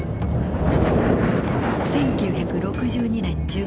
１９６２年１０月。